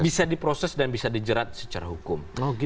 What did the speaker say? bisa diproses dan bisa dijerat secara hukum